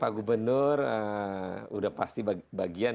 pak gubernur udah pasti bagian